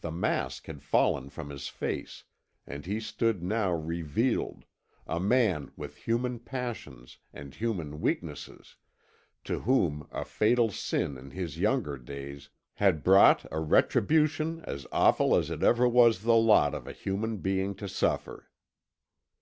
The mask had fallen from his face, and he stood now revealed a man with human passions and human weaknesses, to whom a fatal sin in his younger days had brought a retribution as awful as it was ever the lot of a human being to suffer.